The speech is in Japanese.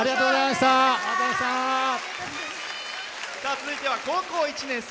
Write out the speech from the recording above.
続いては高校１年生。